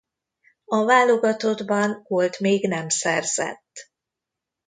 A válogatottban gólt még nem szerzett.